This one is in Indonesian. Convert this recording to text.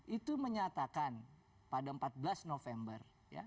itu menyatakan pada empat belas november